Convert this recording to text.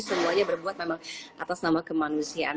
semuanya berbuat memang atas nama kemanusiaan